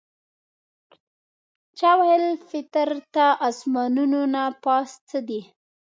چا ویل فطرته اسمانونو نه پاس څه دي؟